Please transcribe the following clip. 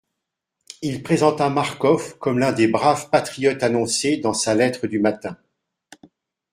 Il présenta Marcof comme l'un des braves patriotes annoncés dans sa lettre du matin.